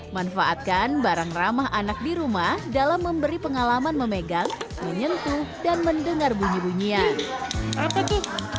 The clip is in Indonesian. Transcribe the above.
manfaatkan barang ramah anak di rumah dalam memberi pengalaman memegang menyentuh dan mendengar bunyi bunyian